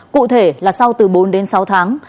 cụ thể là sau từ bốn đến sáu tháng